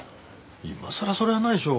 今さらそりゃないでしょう。